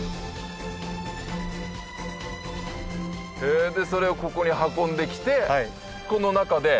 えでそれをここに運んできてこの中で。